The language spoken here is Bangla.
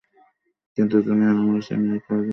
কিন্তু জুনিয়রকে আমার সিনিয়র করে দেওয়া হলে ইজি হতে পারব না।